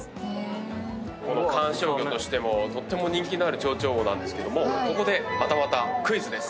観賞魚としてもとっても人気のあるチョウチョウウオですけどもここでまたまたクイズです。